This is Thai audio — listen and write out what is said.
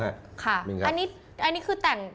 อันนี้อันนี้คือแต่ง